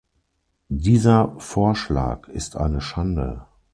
Dieser Vorschlag ist eine Schande.